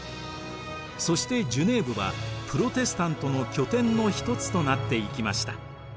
そしてジュネーヴはプロテスタントの拠点の一つとなっていきました。